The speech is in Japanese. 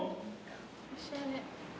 おしゃれ。